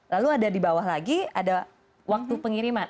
lalu ada di bawah lagi ada waktu pengiriman